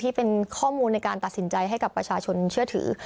ที่เป็นข้อมูลในการตัดสินใจให้กับประชาชนเชื่อถือ